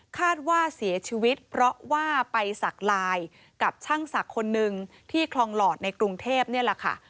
คาดว่าเสียชีวิตเพราะว่าไปสักลายกับช่างศักดิ์คนนึงที่คลองหลอดในกรุงเทพนี่แหละค่ะ